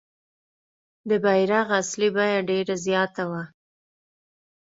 د بیرغ اصلي بیه ډېره زیاته وه.